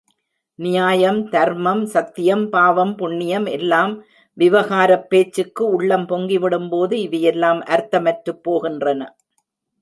நியாயம், தர்மம், சத்தியம், பாவம், புண்ணியம் எல்லாம் விவகாரப் பேச்சுக்கு, உள்ளம் பொங்கிவிடும்போது, இவையெல்லாம் அர்த்தமற்றுப் போகின்றன.